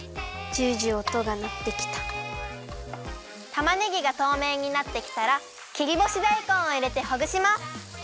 たまねぎがとうめいになってきたら切りぼしだいこんをいれてほぐします。